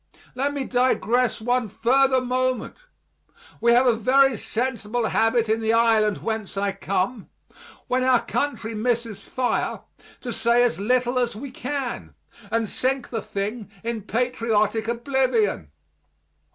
Let me digress one further moment. We have a very sensible habit in the island whence I come, when our country misses fire, to say as little as we can, and sink the thing in patriotic oblivion.